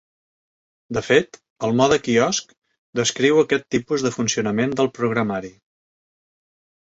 De fet, el "mode quiosc" descriu aquest tipus de funcionament del programari.